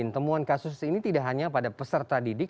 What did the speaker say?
temuan kasus ini tidak hanya pada peserta didik